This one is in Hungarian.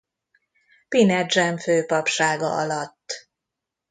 Pinedzsem főpapsága alatt.